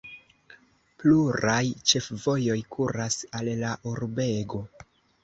Pluraj ĉefvojoj kuras al la urbego.